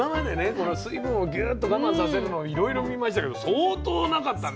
この水分をギュッと我慢させるのいろいろ見ましたけど相当なかったね。